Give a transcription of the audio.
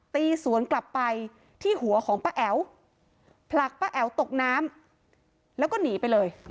ตีสวนกลับไปที่หัวของป้าแอ๋วผลักป้าแอ๋วตกน้ำแล้วก็หนีไปเลย